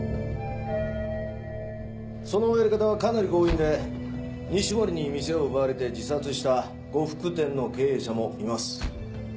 そのやり方はかなり強引で西森に店を奪われて自殺した呉服店の経営者もいます。